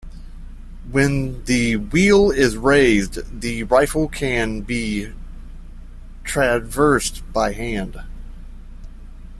When the wheel is raised, the rifle can be traversed by hand.